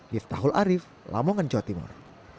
gita hul arief lamongan jawa timur